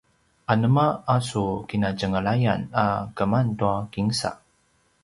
anema a su kinatjenglayan a keman tua kinsa?